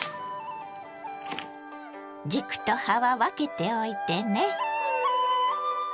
軸と葉は分けておいてね。